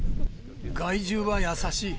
害獣は優しい。